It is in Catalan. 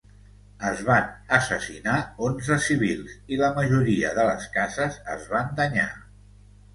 Es van assassinar onze civils i la majoria de les cases es van danyar.